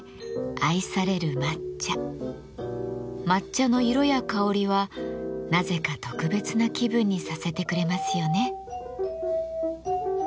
抹茶の色や香りはなぜか特別な気分にさせてくれますよね。